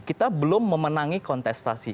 kita belum memenangi kontestasi